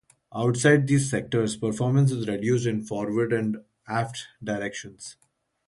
Outside these sectors, performance is reduced in forward and aft directions.